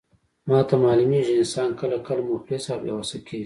ماته معلومیږي، انسان کله کله مفلس او بې وسه کیږي.